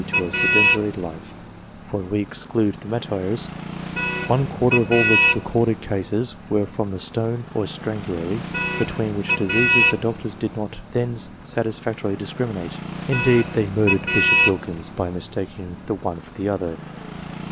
to a sedentary life, for, if we exclude the martyrs, one quarter of all the recorded cases were from the stone or strangury, between which diseases the doctors did not then satis factorily discriminate; indeed, they murdered Bishop Wilkins by mistaking the one for the other.